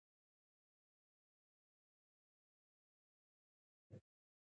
د ولس غږ د بدلون تر ټولو پیاوړی اله ده